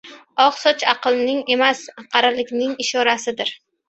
• Oq soch aqlning emas, qarilikning ishorasidir.